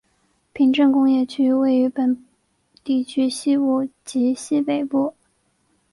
平镇工业区位于本地区西部及西北部。